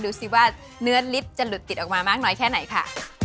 ดูสิว่าเนื้อลิฟต์จะหลุดติดออกมามากน้อยแค่ไหนค่ะ